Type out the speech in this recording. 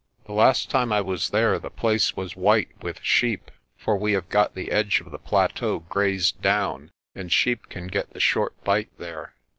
The last time I was there the place was white with sheep, for we have got the edge of the plateau grazed down and sheep can get the short bite there.